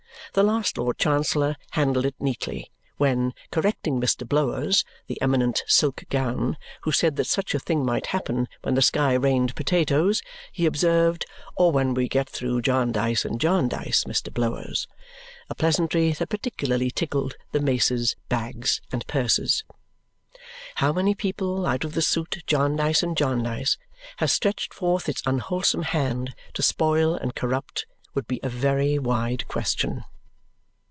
The last Lord Chancellor handled it neatly, when, correcting Mr. Blowers, the eminent silk gown who said that such a thing might happen when the sky rained potatoes, he observed, "or when we get through Jarndyce and Jarndyce, Mr. Blowers" a pleasantry that particularly tickled the maces, bags, and purses. How many people out of the suit Jarndyce and Jarndyce has stretched forth its unwholesome hand to spoil and corrupt would be a very wide question.